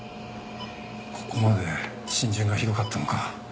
ここまで浸潤がひどかったのか。